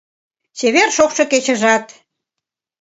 Чевер шокшо кечыжат